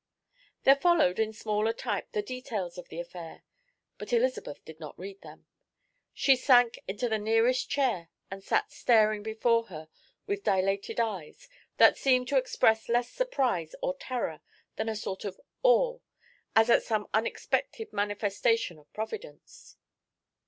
There followed in smaller type the details of the affair, but Elizabeth did not read them. She sank into the nearest chair and sat staring before her with dilated eyes, that seemed to express less surprise or terror than a sort of awe, as at some unexpected manifestation of Providence.